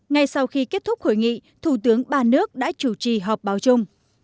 ngay sau khi kết thúc hội nghị thủ tướng ba nước đã chủ trì họp báo chung